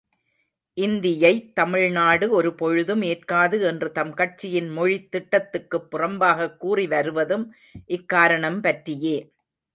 இந்தியைத் தமிழ்நாடு ஒருபொழுதும் ஏற்காது என்று தம் கட்சியின் மொழித் திட்டத்துக்குப் புறம்பாகக் கூறிவருவதும் இக்காரணம் பற்றியே!